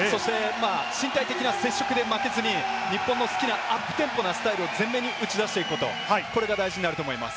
身体的な接触で負けずに、日本の好きなアップテンポなスタイルを前面に打ち出していくこと、これが大事になると思います。